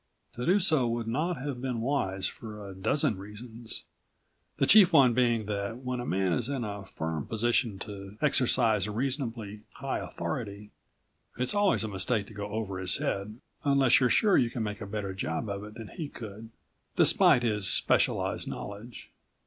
To do so would not have been wise for a dozen reasons, the chief one being that when a man is in a firm position to exercise reasonably high authority it's always a mistake to go over his head unless you're sure you can make a better job of it than he could, despite his specialized knowledge.